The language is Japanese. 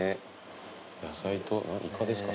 野菜とイカですか？